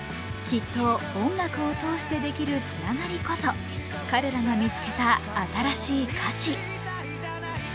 きっと、音楽を通してできるつながりこそ彼らが見つけた新しい価値。